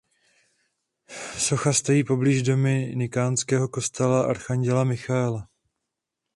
Socha stojí poblíž dominikánského kostela archanděla Michaela.